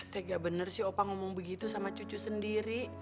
tidak benar sih opa ngomong begitu sama cucu sendiri